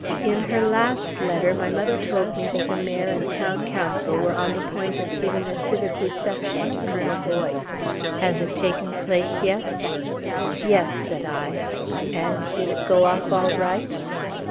"In her last letter my mother told me that the Mayor and Town Council were on the point of giving a civic reception to Colonel Boyce. Has it taken place yet?" "Yes," said I. "And did it go off all right?"